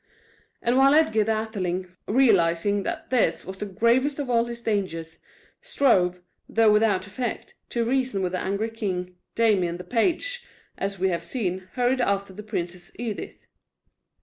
And while Edgar the Atheling, realizing that this was the gravest of all his dangers, strove, though without effect, to reason with the angry king, Damian, the page, as we have seen, hurried after the Princess Edith.